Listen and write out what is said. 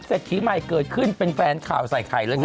เสร็จถีใหม่เกิดขึ้นเป็นแฟนข่าวใส่ไข่แล้วไง